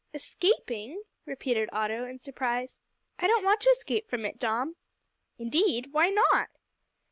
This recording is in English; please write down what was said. "Escaping!" repeated Otto, in surprise. "I don't want to escape from it, Dom." "Indeed! why not?"